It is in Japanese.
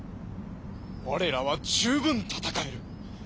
我らは十分戦える。